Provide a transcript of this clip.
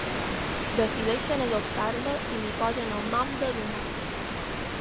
Decideixen adoptar-la i li posen el nom de Duma.